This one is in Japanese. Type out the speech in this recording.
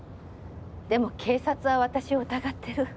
でも警察は私を疑ってる。